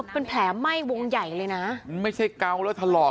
เป็นแผลไหม้วงใหญ่เลยนะไม่ใช่เกาแล้วถลอก